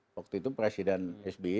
waktu itu presiden hby